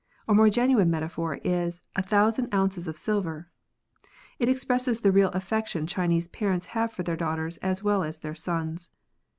A more genuine metaphor is a thousand ounces of silver ; it expresses the real affection Chinese parents have for their daughters as well as their sons.